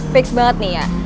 fix banget nih ya